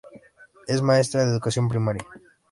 Es maestra de educación primaria.